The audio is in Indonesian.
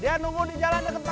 dia nunggu dijalannya ternasar